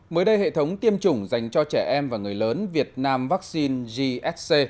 mới đây hệ thống tiêm chủng dành cho trẻ em và người lớn việt nam vaccine gsc